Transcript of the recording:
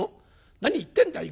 『何言ってんだい